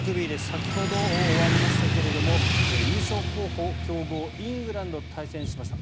先ほど、終わりましたが優勝候補、強豪イングランドと対戦しました。